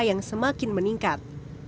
yang semakin meningkat